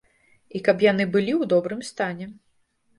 І каб яны былі ў добрым стане.